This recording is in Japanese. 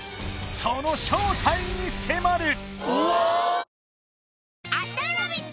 その正体に迫る！